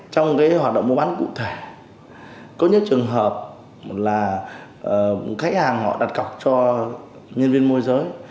trong hoạt động mua bán cụ thể có những trường hợp là khách hàng họ đặt cọc cho nhân viên môi giới